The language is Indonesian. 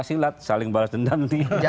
jangan saling balas dendam